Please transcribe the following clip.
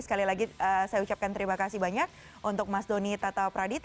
sekali lagi saya ucapkan terima kasih banyak untuk mas doni tata pradita